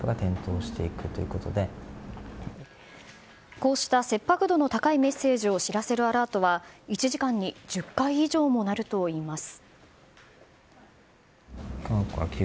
こうした切迫度の高いメッセージを知らせるアラートは１時間に１０回以上も鳴るといいます。